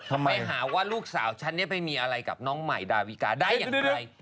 ไปหาว่าลูกสาวฉันไปมีอะไรกับน้องใหม่ดาวิกาได้อย่างไร